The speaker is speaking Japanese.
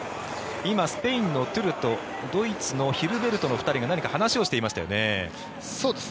今、スペインのトゥルとドイツのヒルベルトの２人が何か話をしていましたよね。